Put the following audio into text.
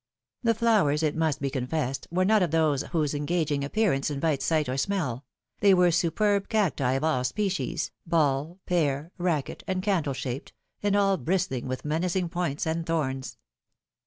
The flowers, it must be confessed, were not of those whose engaging appearance invite sight or smell — they were superb cactii of all species, ball, pear, racket, and candle shaped, and all bristling with menacing points and thorns.